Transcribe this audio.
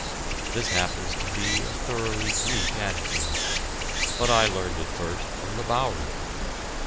This happens to be a thoroughly Greek attitude. But I learned it first from the Bowery.